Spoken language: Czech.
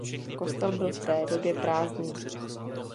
Kostel byl v té době prázdný.